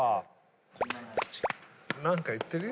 何か言ってるよ。